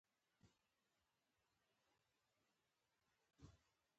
په سرحدي سیمو کې اسعار کارول غلط دي.